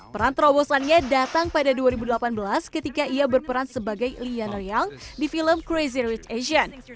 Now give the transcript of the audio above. peran terobosannya datang pada dua ribu delapan belas ketika ia berperan sebagai liane riang di film crazy rich asian